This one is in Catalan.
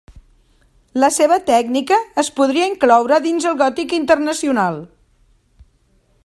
La seva tècnica es podria incloure dins el gòtic internacional.